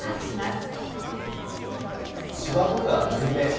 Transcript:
しわとか縫い目